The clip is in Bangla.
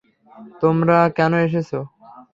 তোমরা কেন এসেছো?